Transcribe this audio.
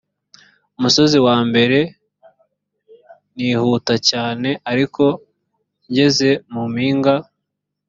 umusozi wa mbere nihuta cyane ariko ngeze mu mpinga